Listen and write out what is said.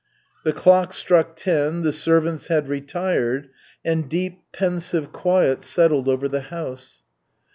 The clock struck ten, the servants had retired, and deep, pensive quiet settled over the house.